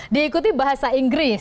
diikuti bahasa inggris